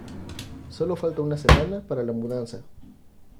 Sólo falta una semana para la mudanza.